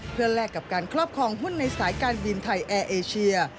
เพื่อแลกกับการครอบครองหุ้นในสายการบินไทยแอร์เอเชีย